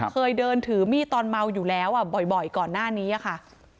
เคยเดินถือมีดตอนเมาอยู่แล้วบ่อยก่อนหน้านี้ค่ะ